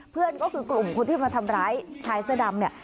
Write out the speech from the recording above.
เพื่อนก็คือกลุ่มคนที่มาทำร้ายชายเสื้อดำเนี่ย